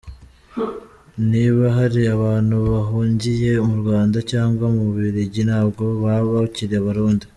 Niba hari abantu bahungiye mu Rwanda cyangwa mu Bubiligi, ntabwo baba bakiri abarundi ?